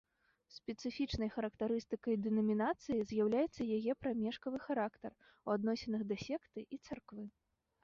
Спецыфічнай характарыстыкай дэнамінацыі з'яўляецца яе прамежкавы характар у адносінах да секты і царквы.